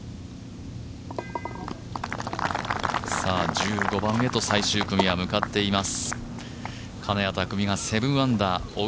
１５番へと最終組は向かっています。